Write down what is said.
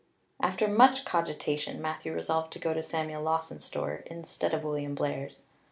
After much cogitation Matthew resolved to go to Samuel Lawson's store instead of William Blair's.